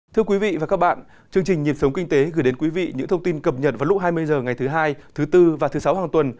thưa quý vị và các bạn chương trình nhịp sống kinh tế gửi đến quý vị những thông tin cập nhật vào lúc hai mươi h ngày thứ hai thứ bốn và thứ sáu hàng tuần